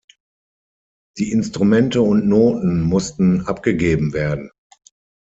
Die Instrumente und Noten mussten abgegeben werden.